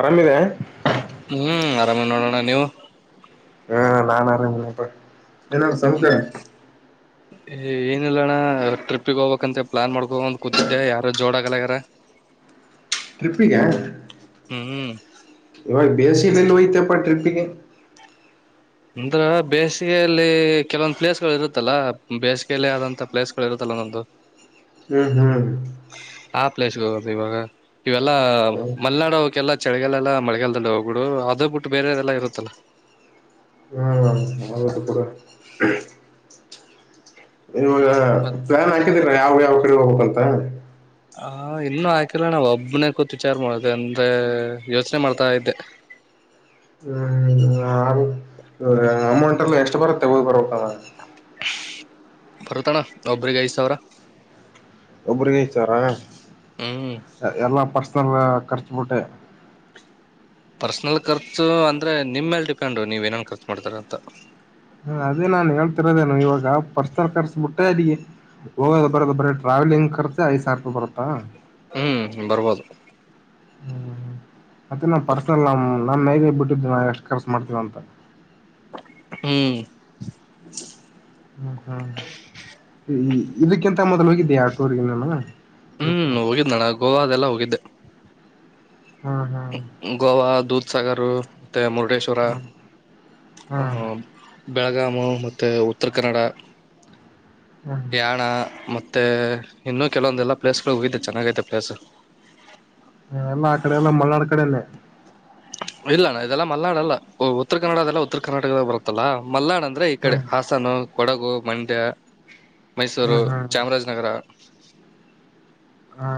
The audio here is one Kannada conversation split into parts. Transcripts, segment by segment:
ಆರಾಮಿದಾ ಹ್ಮ್ ಆರಾಮೇ ನೋಡೋಣ ನೀವು ಹ ನಾನ ಅರಾಮ್ ಇದ್ದೀನಿ ಪಾ ಹಿಂಕ ಏನಿಲ್ಲಣ್ಣ ಟ್ರಿಪಿಗೆ ಹೋಗಬೇಕಂತ ಪ್ಲಾನ್ ಮಾಡ್ಕೊಂಡ ಒಂದ್ ಕೂತಿದ್ದೆ ಯಾರು ಜೋಡ ಆಗಲಗಾರ [inaudible] ಟ್ರಿಪ್ಪಿಗೆ ಹ್ಮ್ [inaudible] ಇವಾಗ ಬೇಸಿನಲ್ಲಿ ಹೋಯ್ತಪ್ಪಾ ಟ್ರಿಪ್ಪಿಗೆ ಅಂದ್ರ ಬೇಸಿಗೆಯಲ್ಲಿ ಕೆಲವೊಂದ್ ಪ್ಲೇಸ್ ಗಳು ಇರುತ್ತಲ್ಲ ಬೇಸಿಗೆಯಲ್ಲಿ ಆದಂತಥ ಪ್ಲೇಸ್ಗಳು ಇರುತ್ತಲ್ಲ ನೊಂದು [inaudible] ಹ್ಮ್ ಹ್ಮ್ ಆ ಪ್ಲೇಸ್ಗೆ ಹೋಗೊದ್ ಇವಾಗ ಇವೆಲ್ಲಾ ಹ್ಮ್ ಮಲೆನಾಡು ಹೋಗಕ್ಕೆೆಲ್ಲಾ ಚಳಿಗಾಲೆಲ್ಲ ಮಳೆಗಾಲದಲ್ಲಿ ಹೋಗಬಿಡು ಅದು ಬಿಟ್ಟು ಬೇರೆಲ್ಲ ಇರುತ್ತಲ್ಲ. ಹ್ಮ ಹ ಹದು ಪೂಡ [unintelligible] ಇವಾಗ ಮತ್ ಪ್ಲಾನ್ ಹಾಕಿದೀರ ಯಾವ ಯಾವ ಕಡೆ ಹೋಗ್ಬೇಕ್ ಅಂತ ಹ ಇನ್ನ ಹಾಕಿಲ್ಲ ನಾವ್ ಒಬ್ನೇ ಕೂತ್ ವಿಚಾರ ಮಾಡ್ದೆ ಅಂದ್ರೆ ಯೋಚನೆ ಮಾಡ್ತಾ ಇದ್ದೆ. ಹ್ಮ್ ಅಮೌಂಟ್ ಎಲ್ಲಾ ಎಷ್ಟು ಬರುತ್ತೆ ಹೋಗಬರಬೇಕಾದ್ರೆ. ಭರತಣ್ಣ ಒಬ್ಬರಿಗೆ ಐದು ಸಾವಿರ. ಒಬ್ಬರಿಗೆ ಐದು ಸಾವಿರನ ಹ್ಮ್ ಎಲ್ಲಾ ಪರ್ಸನಲ್ ಖರ್ಚುಬುಟ್ಟೆ. ಪರ್ಸನಲ್ ಖರ್ಚು ಅಂದ್ರೆ ನಿಮ್ಮ ಮೇಲ್ ಡಿಪೆಂಡು ನೀವೆನ್ ಖರ್ಚು ಮಾಡ್ತೀರ ಅಂತ. ಹ ಅದೇ ನಾನ್ ಹೇಳ್ತಿರೋದೇನು ಇವಾಗ ಪರ್ಸನಲ್ ಖರ್ಚುಬುಟ್ಟೆ ಅಡಿ ಹೋಗೋದು ಬರೋದು ಬರೀ ಟ್ರಾವಲಿಂಗ್ ಖರ್ಚೆ ಐದು ಸಾವಿರ ರೂಪಾಯಿ ಬರುತ್ತಾ. ಹ್ಮ್ ಬರಬೋದು ಹ್ಮ್ ಮತ್ತೆ ನಾ ಪರ್ಸನಲ್ ನ್ ನನ್ನ ಹೇಗ ಬಿಟ್ಟಿದ್ದೆ ನಾ ಎಷ್ಟು ಖರ್ಚು ಮಾಡ್ತೀವಿ ಅಂತ. ಹ್ಮ್ ಹ್ಮ್ ಹ್ಮ್ ಇದಕ್ಕಿಂತ ಮೊದಲ್ ಹೋಗಿದ್ದ್ ಹ್ಮ್ ಹೋಗಿದ್ದನಣ್ಣ ಗೋವಗೆಲ್ಲಾ ಹೋಗಿದ್ದೆ. ಹಾ ಹಾ ಗೋವಾ ದೂದ್ ಸಾಗರ್ ಮತ್ತೆ ಮುರುಡೇಶ್ವರ ಹ್ಮ್ ಹ್ಮ್ ಬೆಳಗಾಮು ಮತ್ತೆ ಉತ್ತರ ಕನ್ನಡ ಹ್ಮ್ ಯಾಣ ಮತ್ ಮತ್ತೆ ಇನ್ನೂ ಕೆಲವೊಂದೆಲ್ಲಾ ಪ್ಲೇಸಗಳು ಹೋಗಿದ್ದೆ ಚೆನ್ನಾಗೈತೆ ಪ್ಲೇಸ್ ಹ ಎಲ್ಲಾ ಆ ಕಡೆ ಎಲ್ಲಾ ಮಳ್ನಾಡ್ ಕಡೆನೆ ಇಲ್ಲ ನ ಇದೆಲ್ಲಾ ಮಲ್ನಾಡ್ ಅಲ್ಲ ಉತ್ತರ ಕನ್ನಡ ಅದೆಲ್ಲ ಉತ್ತರ ಕರ್ನಾಟಕದ ಬರುತ್ತಲ್ಲಾ ಮಲ್ನಾಡ್ ಅತ್ ಎಲ್ಲಾ ಈ ಕಡೆ ಹ್ಮ್ ಹಾಸನ ಕೊಡಗು ಮಂಡ್ಯ ಮೈಸೂರು ಹ್ಮ್ ಹ್ಮ್ ಚಾಮರಾಜನಗರ ಹ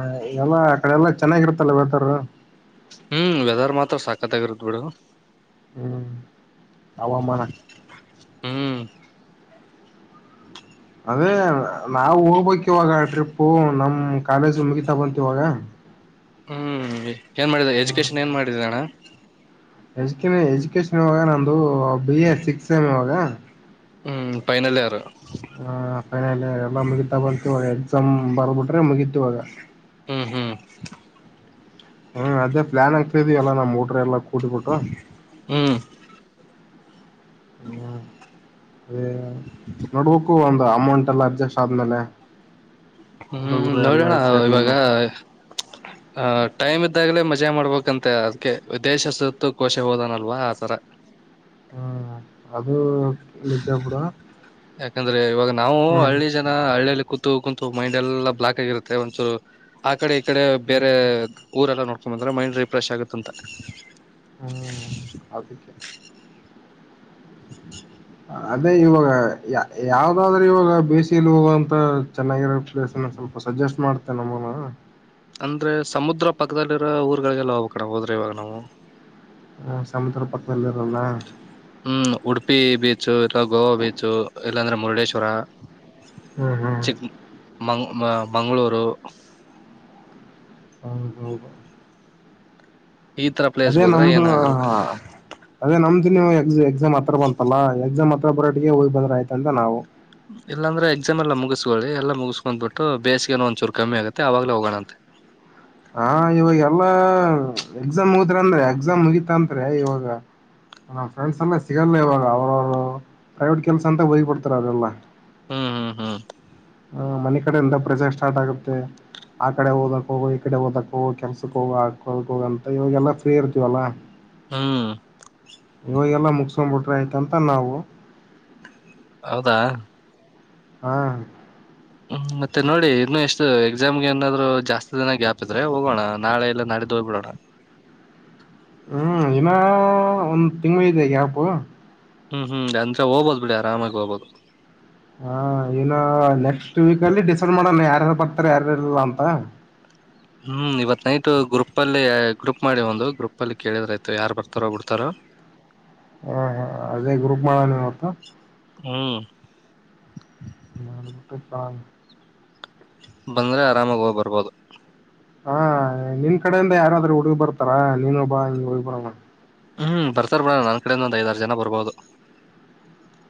ಎಲ್ಲಾ ಆ ಕಡೆ ಎಲ್ಲಾ ಚೆನ್ನಾಗಿರತ್ತಲ್ಲ ನೇತಾರರು ಹ್ಮ್ ವೆದರ್ ಮಾತ್ರ ಸಕ್ಕತ್ತಾಗಿರತ್ತು ಬಿಡು. ಹ್ಮ್ ಹವಾಮಾನ ಹ್ಮ್ ಅದೇ ನಾವು ಹೋಗ್ಬೇಕ್ ಇವಾಗ ಟ್ರಿಪ್ಪು ನಮ್ ಕಾಲೇಜು ಮುಗಿತಾ ಬಂತ್ ಇವಾಗ. ಹ್ಮ್ ಏನ್ ಮಾಡಿದ ಎಜುಕೇಶನ್ ಏನ್ ಮಾಡಿದಣ್ಣ. ಎಜುಕ ಎಜುಕೇಷನ್ ಇವಾಗ ನಂದು ಬಿ ಎ ಸಿಕ್ಸ್ ಸೆಮ್ ಇವಾಗ ಹ್ಮ್ ಪೈನಲ್ ಇಯರು ಆ ಫೈನಲ್ ಎಲ್ಲಾ ಮುಗಿತಾ ಬಂತು ಇವಾಗ ಎಕ್ಸಾಮ್ ಬರದು ಬುಟ್ರೆ ಮುಗೀತ್ ಇವಾಗ. ಹ್ಮ್ ಹ್ಮ್ ಹ್ಮ್ ಅದೇ ಪ್ಲಾನ್ ಆಗ್ತದಿವಲ್ಲ ನಾ ಮೋಟ್ರ ಎಲ್ಲಾ ಕೂಡ್ ಬಿಟ್ಟು. ಹ್ಮ್ ಹ್ಮ್ ಅದೇ ನೋಡ್ಬೇಕು ಅಂತ್ ತ ಅಮೌಂಟ್ ಎಲ್ಲಾ ಅಡ್ಜಸ್ಟ್ ಆದ್ಮೇಲೆ ಹ್ಮ್ ಹುಡುಗರು ಎಲ್ಲಾ ನೋಡೋಣ ಸೇರ್ ಇವಾಗ [unintelligible] ಆ ಟೈಮ್ ಇದ್ದಾಗ್ಲೇ ಮಜಾ ಮಾಡ್ಬೇಕಂತೆ ಅದ್ಕೆ ವಿದೇಶ ಸುತ್ತು ಕೋಶ ಓದು ಅನಲ್ವಾ ಆತರ. ಹ್ಮ್ ಅದು ನಿಜ ಬಿಡು ಯಾಕಂದ್ರೆ ಇವಾಗ ನಾವು ಹ್ಮ್ ಹಳ್ಳಿ ಜನ್ ನ ಹಳ್ಳಿಯಲ್ಲಿ ಕೂತು ಕೂಂತು ಮೈಂಡ್ ಎಲ್ಲಾ ಬ್ಲಾಕ್ ಆಗಿರುತ್ತೆ ಒಂದೂಚೂರ್ ಆ ಕಡೆ ಈ ಕಡೆ ಹ್ಮ್ ಬೇರೆ ಊರೆಲ್ಲಾ ನೋಡ್ಕೊ ಬಂದ್ರೆ ಮೈಂಡ್ ರಿಫ್ರೆಶ್ ಆಗುತ್ತಂತ. ಹ್ಮ್ ಅದಕ್ಕೆ. [inaudible] ಅದೇ ಇವಾಗ ಯಾವ್ದಾದ್ರೂ ಇವಾಗ ಬಿಸಿಲೋಗಂತ ಚೆನ್ನಾಗಿರೋ ಪ್ಲೇಸ್ ಅನ್ನು ಸ್ವಲ್ಪ್ ಸಜೆಸ್ಟ್ ಮಾಡ್ತೇ ನಮ್ಮಮ. ಅಂದ್ರೆ ಸಮುದ್ರ ಪಕ್ಕದಲ್ಲಿರೋ ಊರ್ಗಳಿಗೆಲ್ಲ ಹೋಗ್ಕಣ ಹೋದ್ರೆ ಇವಾಗ ನಾವು. ಹ ಸಮುದ್ರ ಪಕ್ಕದಲ್ಲಿ ಇರನ್ನಾ. ಹ್ಮ್ ಉಡುಪಿ ಬೀಚು, ಇಲ್ಲ ಗೋವಾ ಬೀಚು ಇಲ್ಲಾಂದ್ರೆ ಮುರುಡೇಶ್ವರ. ಹ್ಮ್ ಚಿಕ್ ಹ್ಮ್ ಮ ಮಂಗಳೂರು ಹೌದೌದು. ಈ ತರ ಅದೇ ಪ್ಲೇಸ್ಗೆ ಹೋದ್ರೆ ನಮ್ದು ಆ ಏನಾಗಲ್ಲ ಅದೇ ನಮ್ದು ಇನ್ನು ಎ ಎಕ್ಸಾಮ್ ಹತ್ರ ಬಂತಲ್ಲ ಎಕ್ಸಾಮ್ ಹತ್ರ ಬರಟ್ಟಿಗೆ ಹೋಗಿ ಬಂದ್ರ ಆಯ್ತ ಅಂತ ನಾವು. ಇಲ್ಲಾಂದ್ರ ಎಕ್ಸಾಮ್ ಎಲ್ಲ ಮುಗಿಸಕೊಳ್ಳಿ ಎಲ್ಲ ಮುಗಸ್ಕೊಂಡ್ ಬಿಟ್ಟು ಬೇಸಿಗೆನೂ ಒಂದ್ಚೂರು ಕಮ್ಮಿ ಆಗತ್ತೆ ಆವಾಗ್ಲೇ ಹೋಗೋಣಂತೆ. ಹಾ ಇವಾಗೆಲ್ಲಾ ಎಕ್ಸಾಮ್ ಮುಗದ್ರ ಅಂದ್ರೆ ಎಕ್ಸಾಮ್ ಮುಗಿತಂದ್ರೆ ಇವಾಗ ನಮ್ಮ ಫ್ರೆಂಡ್ಸ್ ಎಲ್ಲ ಸಿಗಲ್ಲ ಇವಾಗ ಅವ್ರವರು ಪ್ರೈವೇಟ್ ಕೆಲ್ಸ ಅಂತ ಹೊಗಿಬಿಡ್ತಾರೆ ಅವರೆಲ್ಲ. ಹ್ಮ್ ಹ್ಮ್ ಹ್ಮ್ ಆ ಮನೆ ಕಡೆಯಿಂದ ಪ್ರಸೆರ್ ಸ್ಟಾರ್ಟ್ ಆಗುತ್ತೆ ಆ ಕಡೆ ಓಗೊಕ್ ಹೋಗೋ ಕಡೆ ಹೋಗ್ಬೇಕು ಕೆಲ್ಸಕ್ಕೆ ಹೋಗಿ ಹಾಕೋಕ್ ಹೋಗಂತ ಇವಾಗೆಲ್ಲ ಫ್ರೀ ಇರ್ತೀವಲ್ಲ. ಹ್ಮ್ ಇವಾಗೆಲ್ಲ ಮುಗಸ್ಕೊಂಡ್ ಬಿಟ್ರೆ ಆಯ್ತ ಅಂತ ನಾವು. ಹೌದಾ ಹಾ ಹ್ಮ ಮತ್ತೆ ನೋಡಿ ಇನ್ನು ಎಷ್ಟು ಎಕ್ಸಾಮ್ಗೆ ಏನಾದ್ರು ಜಾಸ್ತಿ ದಿನ ಗ್ಯಾಪ್ ಇದ್ರೆ ಹೋಗೋಣ ನಾಳೆ ಇಲ್ಲಾ ನಾಡಿದ್ದು ಹೋಗ್ಬಿಡೋಣ. ಹ್ಮ್ ಇನಾ ಒಂದ್ ತಿಂಗಳು ಇದೆ ಗ್ಯಾಪು. ಹ್ಮ್ ಹ್ಮ್ ಅಂದೆ ಹೋಗ್ಬೋದು ಬಿಡಿ ಆರಾಮಾಗಿ ಹೋಗಬೋದು. ಹ ಇನ ನೆಕ್ಸ್ಟ್ ವೀಕಲ್ಲಿ ಡಿಸೈಡ್ ಮಾಡೋಣ ಯಾರ್ಯಾರು ಬರ್ತಾರ ಯಾರಾರಲ್ಲ ಅಂತ. ಹ್ಮ್ ಇವತ್ ನೈಟ್ ಗ್ರೂಪಲ್ಲಿ ಗ್ರೂಪ್ ಮಾಡಿ ಒಂದು ಗ್ರೂಪಲ್ಲಿ ಕೇಳಿದ್ರಾಯ್ತು ಯಾರ್ ಬರ್ತಾರೋ ಬಿಡ್ತಾರೋ. ಹಾ ಹಾ ಅದೇ ಗ್ರೂಪ್ ಮಾಡೋಣಿವತ್ತು. ಹ್ಮ್ [unintelligible] ಬಂದ್ರೆ ಆರಾಮಾಗಿ ಹೋಗ್ ಬರ್ಬೋದು. ಹಾ ನಿನ್ ಕಡೆಯಿಂದ ಯಾರಾದ್ರೂ ಹುಡುಗ್ರು ಬರ್ತಾರ ನೀನೊಬ್ಬ ಹಿಂಗ ಹೋಗಿ ಬರಾವ. ಹ್ಮ್ ಬರ್ತಾರ ಬಿಡೊ ನನ್ ಕಡೆಂದ ಒಂದ್ ಐದಾರ್ ಜನ ಬರ್ಬೋದು.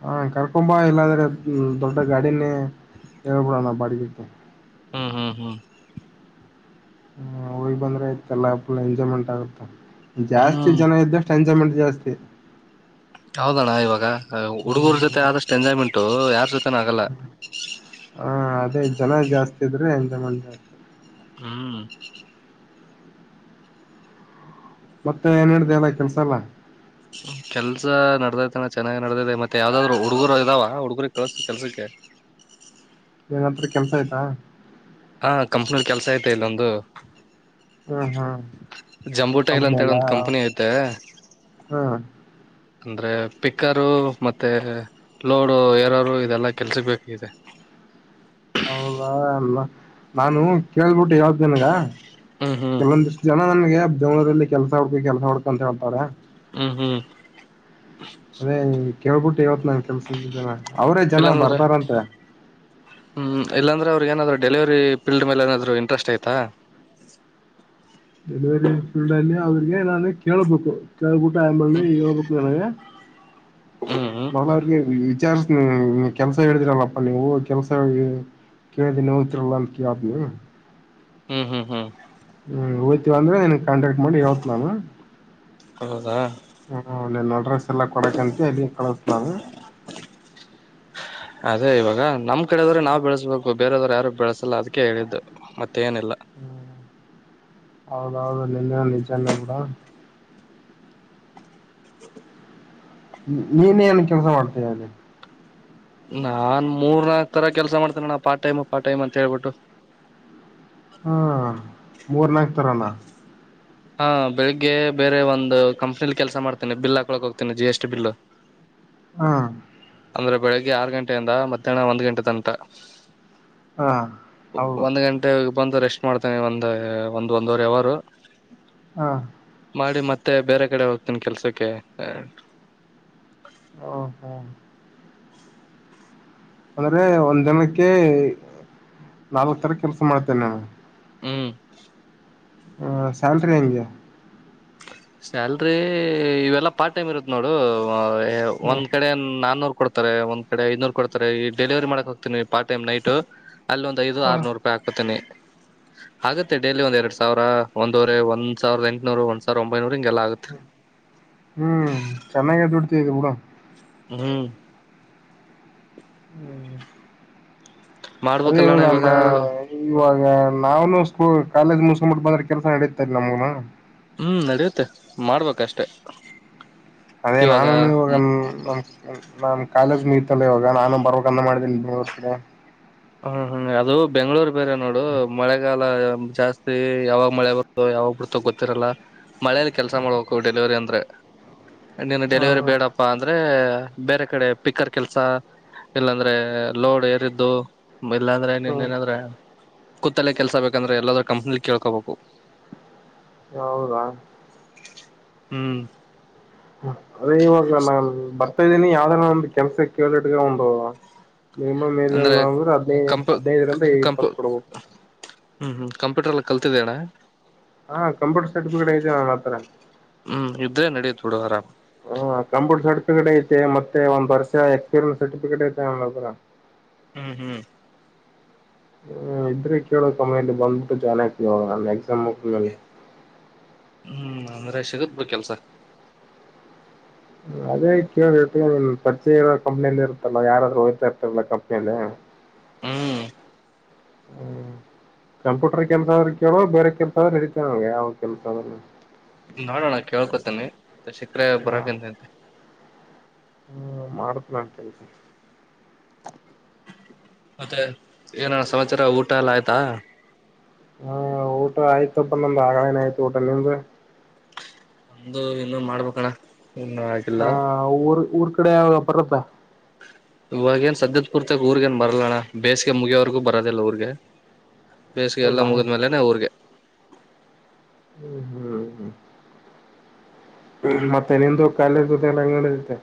ಹಾ ಕರ್ಕೊಂಬ ಇಲ್ಲಾದ್ರೆ ದೊಡ್ಡ ಗಾಡಿನೇ ಹೇಳ್ಬಿಡನಾ ಬಾಡಿಗೆಕ್ಕೆ. ಹ್ಮ್ ಹ್ಮ್ ಹ್ಮ್ ಹ ಹೋಗಿ ಬಂದ್ರೆ ಆಯ್ತಲ್ಲಾ ಫುಲ್ ಎಂಜಾಯ್ಮೆಂಟ್ ಆಗುತ್ತ ಜಾಸ್ತಿ ಹ್ಮ್ ಜನ ಇದ್ದಷ್ಟ. ಎಂಜಾಯ್ಮೆಂಟ್ ಜಾಸ್ತಿ. ಹೌದಣ್ಣ ಇವಾಗ ಹುಡುಗೂರ್ ಹ್ಮ್ ಜೊತೆ ಆದಷ್ಟು ಎಂಜಾಯ್ಮೆಂಟು ಯಾರ್ ಜೊತೆನೂ ಆಗಲ್ಲ. ಹಾ ಅದೇ ಜನ ಜಾಸ್ತಿ ಇದ್ರೆ ಎಂಜಾಯ್ಮೆಂಟ್ ಜಾಸ್ತಿ. ಹಾ ಮತ್ತೆ ಏನ್ ನಡ್ತೖ ಅದ ಕೆಲ್ಸ ಅಲ್ಲಾ. ಹಾ ಕೆಲ್ಸ ನಡದೖತಣ ಚೆನ್ನಾಗಿ ನಡ್ದದೆ ಮತ್ತೆ ಯಾವ್ದಾದ್ರು ಹುಡುಗರು ಇದಾವ ಹುಡುಗರಿಗೆ ಕಳ್ಸ್ ಕೆಲ್ಸಕ್ಕೆ. ಏನಂತ್ರು ಕೆಲ್ಸ ಐತಾ? ಹಾ ಕಂಪ್ನಿಲ್ ಕೆಲ್ಸ ಐತೆ ಇಲ್ಲೊಂದು. ಹ್ಮ್ ಹ್ಮ್ ಜಂಬೂಟೈಲ್ ಅಂತ ಹೇಳ ಇಲ್ಲೊಂದ್ ಕಂಪನಿ ಐತೆ. ಹಾ ಅಂದ್ರೆ ಪಿಕ್ಕರು ಮತ್ತೆ ಲೋಡು ಏರರು ಇದೆಲ್ಲ ಕೆಲ್ಸ ಬೇಕಿದೆ. ಹೌದಾ ನ್ ನಾನು ಕೇಳ್ಬಿಟ್ಟು ಹೆಲ್ತ್ ನಿನಗ ಹ್ಮ್ ಹ್ಮ್ ಕೆಲವೊಂದಷ್ಟ್. ಜನ ನನ್ಗೆ ಬೆಂಗಳೂರಲ್ಲಿ ಕೆಲಸ ಹುಡ್ಕು ಕೆಲಸ ಹುಡ್ಕ ಅಂತ ಹೇಳ್ತಾರೆ. ಹ್ಮ್ ಹ್ಮ್ ಅದೇ ಕೇಳ್ಬಿಟ್ಟು ಹೇಳ್ತೀ ನಾ ಕೆಲ್ಸ ಇದ ಜನ. ಅವರೇ ಜನ ಇಲ್ಲಾಂದ್ರೆ. ಬರ್ತಾರಂತೆ ಹ್ಮ್ ಇಲ್ಲಾಂದ್ರೇ ಅವ್ರಿಗ್ ಏನಾದ್ರು ಡೆಲಿವರಿ ಫೀಲ್ಡ್ ಮೇಲೆ ಏನಾದರೂ ಇಂಟ್ರೆಸ್ಟ್ ಐತಾ. ಡೆಲಿವರಿ ಫೀಲ್ಡ್ ಅಲ್ಲಿ ಅವ್ರಿಗೆ ನಾನು ಕೇಳಬೇಕು. ಕೇಳ್ ಬಿಟ್ಟು ಆಮೇಲೆ ಹೇಳಬೇಕು ನನಗೆ. ಹ್ಮ್ ಹ್ಮ್ ನಾಲ್ವರಿಗೆ ವಿಚಾರಿಸ್ತೀನಿ ನಾನು ಕೆಲಸ ಹೇಳಿದರಲಪ್ಪ ನೀವು ಕೆಲಸ [unintelligible] ಹೋಗ್ತೀರಲ್ಲ ಅಂತ ಕೇಳ್ತೀನಿ. ಹ್ಮ್ ಹ್ಮ ಹ್ಮ್ ಹ್ಮ್ ಹೋಯ್ತೀವಿ ಅಂದ್ರೆ ನಿನ್ ಕಾಂಟ್ಯಾಕ್ಟ್ ಮಾಡಿ ಹೇಳ್ತೀನಿ ನಾನು. ಹೌದಾ ಹ್ಮ ನಿನ್ ಅಡ್ರೆಸ್ ಎಲ್ಲಾ ಕೊಡಕಂತ ಅಲ್ಲಿ ಕಳಸತಿನಿ ನಾನು. ಅದೇ ಇವಾಗ ನಮ್ ಕಡೆದವ್ರೆ ನಾವ್ ಬೆಳೆಸ್ಬೇಕು ಬೇರದವ್ರು ಯಾರು ಬೆಳೆಸಲ್ಲ ಅದಕ್ಕೆ ಹೇಳಿದ್ದು. ಮತ್ತೇನಿಲ್ಲ. ಹ ಹೌದೌದು ನಿನ್ನೆ ನಿಜನೇ ಬಿಡು. ನೀ ನೀನ್ ಏನ್ ಕೆಲಸ ಮಾಡ್ತ್ಯ ಅಲ್ಲೀ. ನಾನ್ ಮೂರ್ ನಾಕ್ ತರ ಕೆಲಸ ಮಾಡತೇನಣ್ಣ ಪಾರ್ಟ ಟೈಮ್ ಪಾರ್ಟ ಟೈಮ್ ಅಂತ ಹೇಳ್ಬಿಟ್ಟು. ಹ್ಮ ಮೂರ್ನಾಕ್. ತರನಾ ಹಾ ಬೆಳಿಗ್ಗೆ ಬೇರೆ ಒಂದು ಕಂಪ್ನಿಲಿ ಕೆಲಸ ಮಾಡ್ತೇನಿ ಬಿಲ್ ಹಾಕಳಕ್ ಹೋಗ್ತನಿ ಜಿ ಎಸ್ ಟಿ ಬಿಲ್. ಹ ಅಂದ್ರೆ ಬೆಳಿಗ್ಗೆ ಆರು ಗಂಟೆಯಿಂದ ಮಧ್ಯಾಹ್ನ ಒಂದ್ ಗಂಟೆ ತನಕ. ಹಾ ಹೌದು. [unintelligible] ಬಂದು ರೆಸ್ಟ್ ಮಾಡ್ತೇನೆ ಒಂದ ಒಂದ್ ಒಂದುವರೆ ಅವರ್ರು. ಹಾ ಮಾಡಿ ಮತ್ತೆ ಬೇರೆ ಕಡೆ ಹೋಗ್ತಾನ್ ಕೆಲ್ಸಕ್ಕೆ ಹ. ಹ ಹು. ಅಂದ್ರೆ ಒಂದ್ ದಿನಕ್ಕೆ ನಾಲ್ಕ್ ತರ ಕೆಲ್ಸ ಮಾಡ್ತೇನೆ ನೀನು. ಹ್ಮ್ ಹ ಸ್ಯಾಲ್ರೀ ಹೆಂಗೆ. ಸ್ಯಾಲ್ರಿ ಇವೆಲ್ಲಾ ಪಾರ್ಟ್ ಟೈಮ್ ಇರುತ್ತೆ ನೋಡು. ಹ್ಮ್ ಒಂದ್ ಕಡೆ ನಾನ್ನೂರ್ ಕೊಡ್ [unintelligible] ಒಂದ್ ಕಡೆ ಐನೂರ್ ಕೊಡ್ತಾರೆ ಈ ಡೆಲಿವರಿ ಮಾಡಕ್ ಹೋಗ್ತೀನಿ ಪಾರ್ಟ್ ಟೈಮ್ ನೈಟು ಅಲ್ಲಿ ಒಂದ್ ಐದು ಆರುನೂರು. [unintelligible] ಹಾಕತೇನಿ ಆಗತ್ತೆ ಡೈಲಿ ಒಂದ್ ಎರಡ್ ಸಾವಿರ ಒಂದುವರೆ ಒಂದ ಸಾವಿರದ ಎಂಟನೂರ ಒಂದ್ ಸಾವಿರ ವಂಬೈನೂರು ಹೀಗೆಲ್ಲ ಆಗ್ ಹ್ಮ್ ಚೆನ್ನಾಗಿ ದುಡಿತಿಯಾ ಬಿಡು. ಹ್ಮ್ ಹ್ಮ್ ಅದೇ ಇವಾಗ ಅನ್ ಇವಾಗ ನಾವನು ಸ್ಕೂ ಕಾಲೇಜ್ ಮುಸ್ಕಂಬಿಟ್ಟು ಬಂದ್ರೆ ಕೆಲಸ ನಡತೈತ ನಮಗೂನು. ಹ್ಮ್ ನಡಿಯುತ್ತೆ ಮಾಡ್ಬೇಕಷ್ಟೆ. ಅದೇ ಇವಾಗ ನಾನು ನೀವು ಹ್ಮ್ ನಮ್ ನಮ್ ನಾನ್ ಕಾಲೇಜ್ ಮುಗಿತಲ್ಲ ಇವಾಗ ನಾನು ಬರಬೇಕಂತ ಮಾಡಿನ್ ಬೆಂಗಳೂರ್ ಕಡೆ. ಹ್ಮ್ ಹ್ಮ ಅದು ಬೆಂಗ್ಳೂರ್ ಬೇರೆ ನೋಡು ಮಳೆಗಾಲ್ ಲ ಜಾಸ್ತಿ ಯಾವಾಗ ಮಳೆ ಬರುತೋ ಯಾವಾಗ್ ಬಿಡ್ತೊ ಗೊತ್ತಿರಲ್ಲ. ಮಳೇಲಿ ಕೆಲಸ ಮಾಡ್ಬೇಕು ಡೆಲಿವರಿ ಅಂದ್ರೆ ನೀನು ಡೆಲಿವರಿ ಹ್ಮ್ ಬೇಡಪ್ ಪ ಅಂದ್ರೆ ಬೇರೆ ಕಡೆ ಪಿಕ್ಕರ್ ಕೆಲ್ಸ ಇಲ್ಲಾಂದ್ರೆ ಲೋಡ್ ಏರಿದ್ದು ಇಲ್ಲಾಂದ್ರೆ ನಿನ್ ಹ್ಮ್ ಏನಂದ್ರೆ ಕೂತ್ತಲೆ ಕೆಲ್ಸ ಬೇಕಂದ್ರೆ ಎಲ್ಲಾದ್ರೂ ಕಂಪ್ನಿಲಿ ಕೇಳ್ಕೋಬೇಕು. ಹೌದಾ? ಹ್ಮ್ ಅದೇ ಇವಾಗ ನಾನ್ ಬರ್ತಾ ಇದ್ದೀನಿ ಯಾವ್ದರ ಒಂದು ಕೆಲ್ಸ ಕೇಳಿಟ್ಟಗಂಬುಡು. ಮಿನಿಮಮ್ ಏನು ಇಲ್ಲ ಅಂದ್ರೆ ಹದ್ನೖ ಕಂಪ ಹದಿನೈದ್ರಿಂದ ಕಂಪ ಇಪ್ಪತ್ ಕೊಡಬೊದ್. ಹ್ಮ್ ಹ್ಮ್ ಕಂಪ್ಯೂಟರ್ ಎಲ್ಲ ಕಲ್ತಿದೀಯಣ್ಣ? ಹಾಂ ಕಪ್ಯೂಟರ್ ಸರ್ಟಿಫಿಕೇಟ್ ಐತೆ ನನ್ ಹತ್ರ. ಹ್ಮ್ ಇದ್ರೆ ನಡೀಯುತ್ತ್ ಬಿಡು ಆರಾಮ್. ಹಾ ಕಂಪ್ಯೂಟರ್ ಸರ್ಟಿಫಿಕೇಟ್ ಐತೆ ಮತ್ತೆ ಒಂದ ವರ್ಷ ಎಕ್ಸ್ಪೀರಿಯನ್ಸ್ ಸರ್ಟಿಫಿಕೇಟ್ ಐತೆ ನನ್ನತ್ರ. ಹ್ಮ್ ಹ್ಮ್ ಹ್ಮ ಇದ್ರೆ ಕೇಳೋ ತಮ್ಮ ಇಲ್ಲ್ ಬಂದ್ಬಿಟ್ಟು ಜಾಯ್ನ್ ಆಗ್ತೀ ಆವಾಗ ನ ಎಕ್ಸಾಮ್ ಮುಗ್ದ್ ಮೇಲೆ. ಹ್ಮ್ ಅಂದ್ರೆ ಸಿಗತ್ ಬಾ ಕೆಲ್ಸ. ಅದೇ ಕೇಳಿ ನೀನ್ ಪರಿಚಯ ಇರೋರ್ ಕಂಪ್ನಿಲ್ಲಿ ಇರತ್ತಲ್ಲ ಯಾರಾದ್ರೂ ಹೋಗ್ತಾ ಇರ್ತಾರಲ್ಲ ಕಂಪ್ನಿಲ್ಲಿ. ಹ್ಮ್ ಹ್ಮ್ ಕಂಪ್ಯೂಟರ್ ಕೆಲ್ಸ ಆದ್ರರು ಕೇಳುವ ಬೇರೆ ಕೆಲ್ಸ ಆದ್ರ ನಡೀತೇ ನಗೆ ಯಾವ ಕೆಲ್ಸ ಅದ್ರುನು. ನೋಡೋಣ ಕೇಳ್ಕೊತೇನೆ ಮತ್ತೆ ಸಿಕ್ರೆ ಬರೋಕಂತಂತೆ. ಹ್ಮ್ ಮಾಡತ್ನ ಅಂತ ಇರು. ಮತ್ತೆ ಏನ ಸಮಾಚರ ಊಟ ಎಲ್ಲ ಆಯ್ತಾ? ಹಾ ಊಟ ಆಯ್ತಪ್ಪ ನಮ್ದ್ ಆಗ್ಲನೆ ಆಯ್ತು ಊಟ ನಿಮ್ದು? ನಮ್ದು ಇನ್ನು ಮಾಡ್ಬೇಕಣ ಇನ್ನೂ ಆಗಿಲ್ಲ ಹ ಊರ್ ಊರ್ ಕಡೆ ಯಾವ್ಗ ಬರದ? ಇವಾಗ ಏನ್ ಸದ್ಯದ್ ಪೂರ್ತಕ ಊರ್ಗೇನ್ ಬರಲ್ಲಣ ಬೇಸಿಗೆ ಮುಗಿಯೋವರ್ಗೂ ಬರೋದಿಲ್ಲ ಊರ್ಗೆ. ಬೇಸಿಗೆ ಎಲ್ಲ ಹೌದಾ ಮುಗಿದ್ಮೇಲೆನೆ ಉರ್ಗೆ. ಹ್ಮ್ ಹ್ಮ್ ಹ್ಮ್ ಮತ್ತೆ ನಿಂದು ಕಾಲೇಜ್ ಇದೆಲ್ಲ ಹೆಂಗ್ ನಡಿತೖತೆ?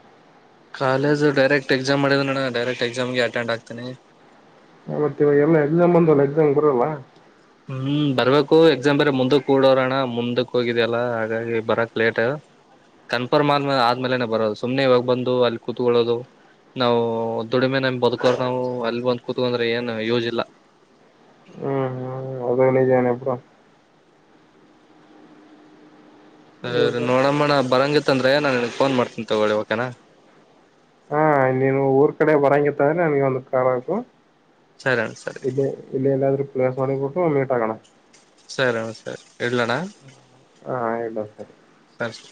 ಕಾಲೇಜು ಡೈರೆಕ್ ಎಕ್ಸಾಮ್ ಮಾಡಿದನಣ ಡೈರೆಕ್ಟ್ ಎಕ್ಸಾಮ್ಗೆ ಅಟೆಂಡ್ ಆಗ್ತಿನಿ. ಮತ್ತೆ ಇವ ಎಲ್ಲಾ ಎಕ್ಸಾಮ್ ಅಂದಲ್ಲ ಎಕ್ಸಾಮ್ಗ್ ಬರಲ್ವ. ಹ್ಮ್ ಬರ್ಬೇಕು ಎಕ್ಸಾಮ್ ಬೇರೆ ಮುಂದೂಕ್ಕೂಡೋರಣ ಮುಂದಕ್ ಹೋಗಿದ್ಯಲ್ಲ ಹಾಗಾಗಿ ಬರಕ್ ಲೇಟು. ಕನ್ಫರ್ಮ್ ಆದ್ಮ ಆದ್ಮೇಲೆನೆ ಬರೋದು ಸುಮ್ನೆ ಇವಾಗ ಬಂದು ಅಲ್ಲಿ ಕೂತ್ಕೊಳ್ಳೋದು ನಾವು ದುಡಿಮೆನಾಗ್ ಬದುಕೋರ್ ನಾವು ಅಲ್ಲಿ ಬಂದ್ ಕೂತ್ಕಂದ್ರೆ ಏನ್ ಯೂಜಿಲ್ಲಾ. ಹ್ಮ್ ಹ್ಮ ಅದ ನೀಜನೇಪ್ಪ. ಸರಿ ಇವಾಗ ನೋಡಮ್ಮಣ ಬರಂಗಿತ್ತಂದ್ರೆ ನಾನ್ ನಿಮ್ಗ್ ಫೋನ್ ಮಾಡ್ತಿನಿ ತಗೊಳ್ಳಿ ಓಕೇನಾ. ಹಾ ನೀನು ಊರ್ ಕಡೆ ಬರಂಗಿತ್ತಂದ್ರೆ ನನ್ಗೆ ಒಂದು ಕಾಲ್ ಹಾಕು. ಸರಿ ಅಣ್ಣ ಸರಿ. ಇಲ್ಲ ಇಲ್ಲಿ ಎಲ್ಲಾದ್ರೂ ಪ್ಲೇಸ್ ಮಾಡಿಬಿಟ್ಟು ಮೀಟ್ ಆಗೋಣ. ಸರಿಣ ಸರಿ ಇಡ್ಲಣ್ಣ ಹಾ ಇಡು ಸರಿ.